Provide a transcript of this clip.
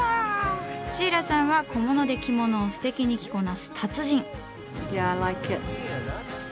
シーラさんは小物で着物をステキに着こなす達人。